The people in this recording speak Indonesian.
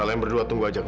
terima kasih banyak